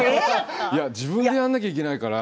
自分でやんなきゃいけないから。